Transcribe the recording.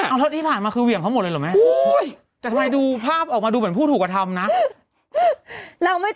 เอาเท่านี้ผ่านมาคือเหวี่ยงเขาหมดเลยเหรอแม่